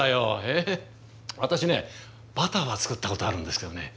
私ねバターは作ったことあるんですけどね